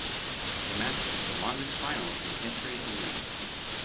The match was the longest final in the history of Wimbledon.